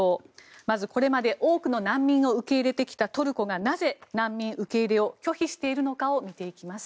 まず、これまで多くの難民を受け入れてきたトルコがなぜ、難民受け入れを拒否しているのかを見ていきます。